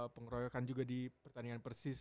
pengeroyokan juga di pertandingan persis